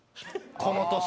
この年。